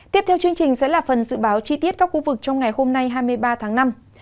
tiếp theo chương trình sẽ là phần dự báo chi tiết các khu vực trong ngày hôm nay hai mươi ba tháng năm